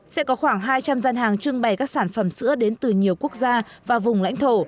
sẽ có khoảng hai trăm linh gian hàng trưng bày các sản phẩm sữa đến từ nhiều quốc gia và vùng lãnh thổ